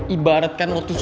ibaratkan lo tuh cuma mantan